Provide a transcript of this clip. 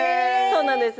そうなんです